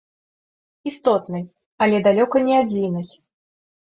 Істотнай, але далёка не адзінай.